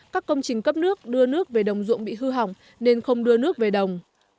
các công trình cấp nước đưa nước về đồng ruộng bị hư hỏng nên không đưa nước về đồng